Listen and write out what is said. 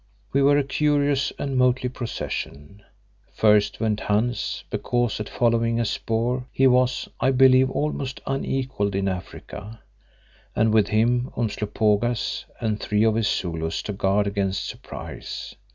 We were a curious and motley procession. First went Hans, because at following a spoor he was, I believe, almost unequalled in Africa, and with him, Umslopogaas, and three of his Zulus to guard against surprise.